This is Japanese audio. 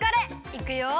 いくよ！